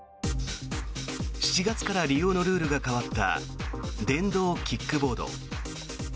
７月から利用のルールが変わった電動キックボード。